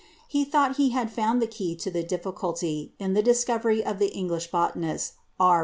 He thought he had found the key to the difficulty in the discovery of the English botanist, R.